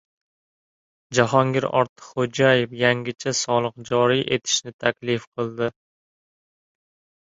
Jahongir Ortiqxo‘jayev yangicha soliq joriy etishni taklif qildi